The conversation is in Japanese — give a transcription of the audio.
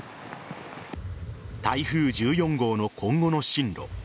台風１４号の今後の進路。